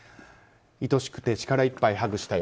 いとしくて力いっぱいハグしたよ。